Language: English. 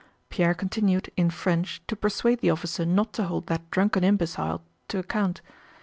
Pierre continued, in French, to persuade the officer not to hold that drunken imbecile to account.